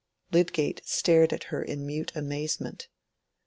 Lydgate stared at her in mute amazement.